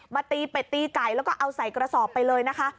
ตีเป็ดตีไก่แล้วก็เอาใส่กระสอบไปเลยนะคะ